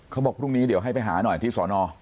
เขาบอกพรุ่งนี้เดี๋ยวให้ไปหาหน่อยที่สอนอ